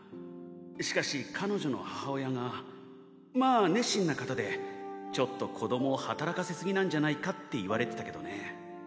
しかし彼女の母親がまあ熱心な方でちょっと子どもを働かせ過ぎなんじゃないかって言われてたけどね。